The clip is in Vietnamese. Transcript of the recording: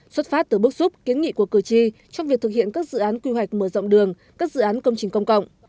xuất phát từ bước xúc kiến nghị của cử tri trong việc thực hiện các dự án quy hoạch mở rộng đường các dự án công trình công cộng